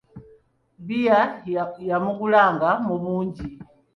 Bbiya yamugulanga mu bungi.